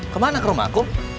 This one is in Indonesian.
kemana ke rumah aku